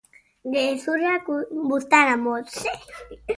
Gezurrak buztana motz.